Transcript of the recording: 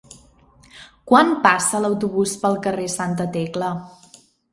Quan passa l'autobús pel carrer Santa Tecla?